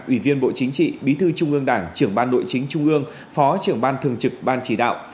ủy viên bộ chính trị bí thư trung ương đảng trưởng ban nội chính trung ương phó trưởng ban thường trực ban chỉ đạo